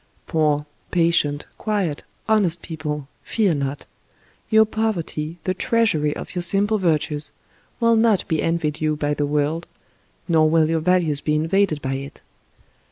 Poor, patient, quiet, honest people, fear not ! Your pov erty, the treasury of your simple virtues, will not be envied you by the world, nor will your values be invaded by it.